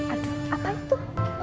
aduh apa itu